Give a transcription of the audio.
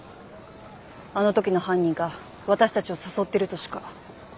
あの時の犯人が私たちを誘ってるとしか。